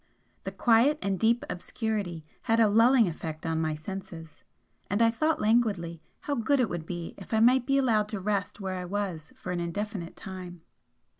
The quiet and deep obscurity had a lulling effect on my senses and I thought languidly how good it would be if I might be allowed to rest where I was for an indefinite time.